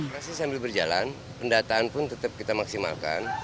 becak becak sambil berjalan pendataan pun tetap kita maksimalkan